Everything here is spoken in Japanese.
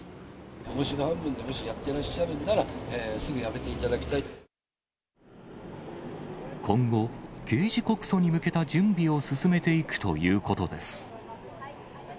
おもしろ半分でもしやってらっしゃるんなら、すぐやめていただき今後、刑事告訴に向けた準備を進めていくということです。